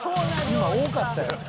今多かったやろ。